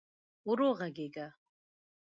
ورو ږغېږه !